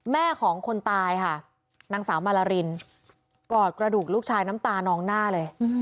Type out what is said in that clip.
แม่ของคนตายค่ะนางสาวมาลารินกอดกระดูกลูกชายน้ำตานองหน้าเลย